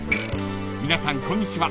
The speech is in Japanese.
［皆さんこんにちは